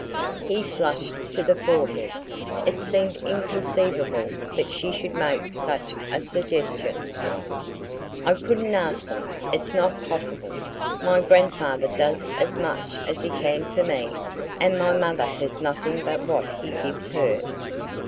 He flushed to the forehead: it seemed inconceivable that she should make such a suggestion. "I couldn't ask them it's not possible. My grandfather does as much as he can for me, and my mother has nothing but what he gives her."